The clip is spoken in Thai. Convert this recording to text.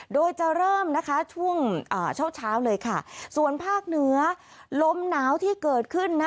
โดยจะเริ่มนะคะช่วงเช้าเช้าเลยค่ะส่วนภาคเหนือลมหนาวที่เกิดขึ้นนะ